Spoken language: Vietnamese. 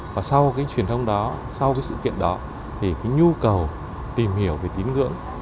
và sau cái truyền thông đó sau cái sự kiện đó thì cái nhu cầu tìm hiểu về tín ngưỡng